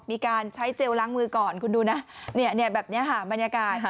มีการใช้เจลล้างมือก่อนคุณดูนะเนี่ยแบบนี้ค่ะบรรยากาศ